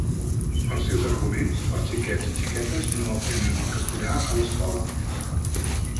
Els seus arguments: els xiquets i xiquetes no aprenen el castellà a l’escola.